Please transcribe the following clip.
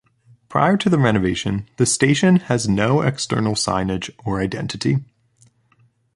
Prior to the renovation, the station has no external signage or identity.